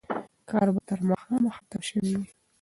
کار به تر ماښامه ختم شوی وي.